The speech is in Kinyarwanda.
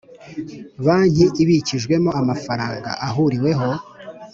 Banki ibikijwemo amafaranga ahuriweho